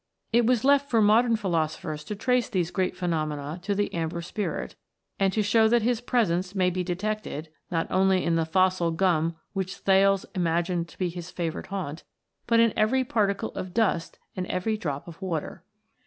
It was left for modern philosophers to trace these great phenomena to the Amber Spirit, and to show that his presence may be detected, not only in the fossil gum which Thales imagined to be his favourite haunt, but in every particle of dust and every drop of water.